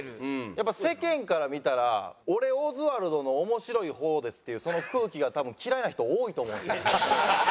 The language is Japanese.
やっぱ世間から見たら「俺オズワルドの面白い方です」っていうその空気が多分嫌いな人多いと思うんですね。